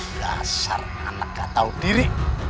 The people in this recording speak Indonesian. dasar anaknya tahu diri